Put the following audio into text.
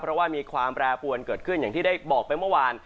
เพราะว่ามีความแปรปวนเกิดขึ้นอย่างที่ได้บอกไปเมื่อวาน